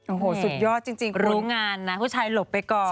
โอ้โหสุดยอดจริงรู้งานนะผู้ชายหลบไปก่อน